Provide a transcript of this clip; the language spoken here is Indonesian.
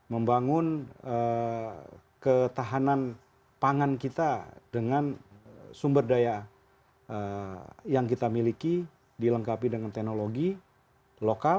membangun ketahanan pangan kita dengan sumber daya yang kita miliki dilengkapi dengan teknologi lokal